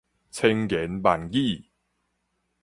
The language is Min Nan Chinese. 千言萬語